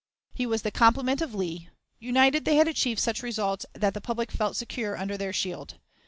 He was the complement of Lee; united, they had achieved such results that the public felt secure under their shield.